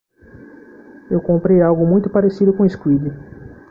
Eu comprei algo muito parecido com o squid.